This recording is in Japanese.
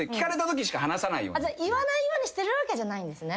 言わないようにしてるわけじゃないんですね。